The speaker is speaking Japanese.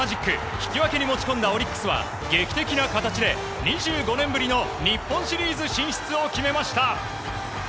引き分けに持ち込んだオリックスは、劇的な形で２５年ぶりの日本シリーズ進出を決めました。